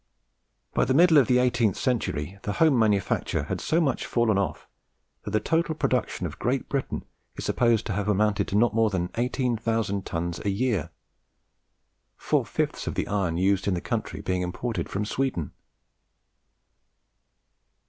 By the middle of the eighteenth century the home manufacture had so much fallen off, that the total production of Great Britain is supposed to have amounted to not more than 18,000 tons a year; four fifths of the iron used in the country being imported from Sweden.